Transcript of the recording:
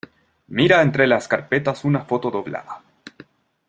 mira entre las carpetas una foto doblada.